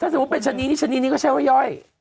ถ้าสมมุติเป็นชนีนี้ชนีนี้ก็ใช้ไว้ย่อย